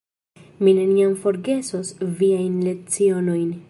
Mi neniam forgesos viajn lecionojn.